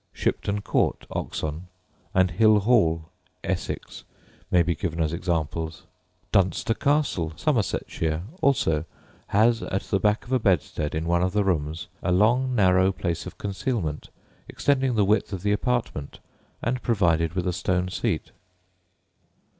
Shipton Court, Oxon, and Hill Hall, Essex, may be given as examples. Dunster Castle, Somersetshire, also, has at the back of a bedstead in one of the rooms a long, narrow place of concealment, extending the width of the apartment, and provided with a stone seat.